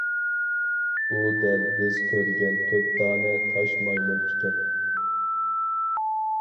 ئۇ دەل بىز كۆرگەن تۆت دانە تاش مايمۇن ئىكەن.